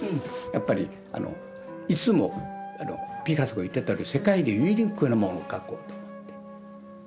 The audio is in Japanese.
やっぱりいつもピカソが言ってたように世界でユニークなものを描こうと思って。